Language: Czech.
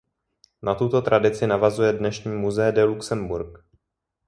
Na tuto tradici navazuje dnešní Musée du Luxembourg.